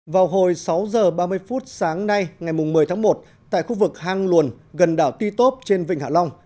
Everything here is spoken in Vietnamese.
vào hồi sáu giờ ba mươi phút sáng nay ngày một mươi tháng một tại khu vực hang luồn gần đảo ti tốp trên vịnh hạ long